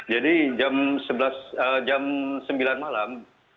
jam sembilan malam